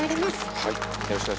はい。